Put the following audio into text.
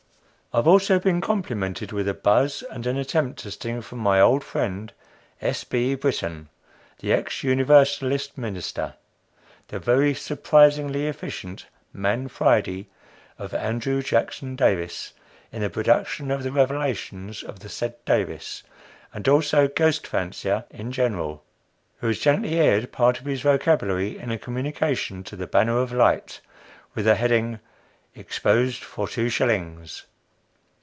I have also been complimented with a buzz and an attempt to sting from my old friend S. B. Brittan, the ex Universalist minister the very surprisingly efficient "man Friday" of Andrew Jackson Davis, in the production of the "Revelations" of the said Davis, and also ghost fancier in general; who has gently aired part of his vocabulary in a communication to the "Banner of Light," with the heading "Exposed for Two Shillings."